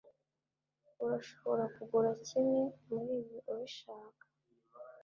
Urashobora kugura kimwe muribyo ubishaka